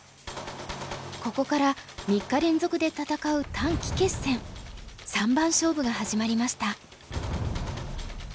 ここから３日連続で戦う短期決戦三番勝負が始まりました。